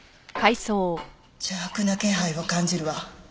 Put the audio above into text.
邪悪な気配を感じるわ。